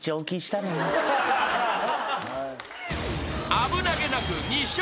［危なげなく２笑